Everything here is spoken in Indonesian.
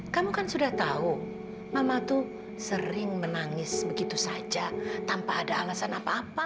kamu kan sudah tahu mama tuh sering menangis begitu saja tanpa ada alasan apa apa